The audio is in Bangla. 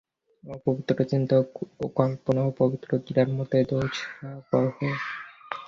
অপবিত্র চিন্তা ও কল্পনা অপবিত্র ক্রিয়ার মতই দোষাবহ।